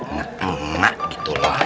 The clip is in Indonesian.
nggak emak gitu loh